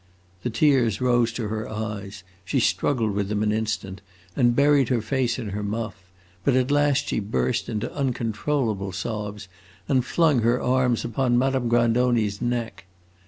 The tears rose to her eyes, she struggled with them an instant, and buried her face in her muff; but at last she burst into uncontrollable sobs and flung her arms upon Madame Grandoni's neck.